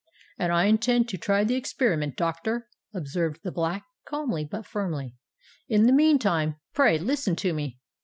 "And I intend to try the experiment, doctor," observed the Black, calmly but firmly. "In the meantime, pray listen to me.